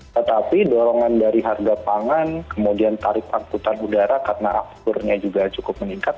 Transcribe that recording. tetapi dorongan dari harga pangan kemudian tarif angkutan udara karena afturnya juga cukup meningkat